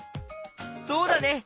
そうだね。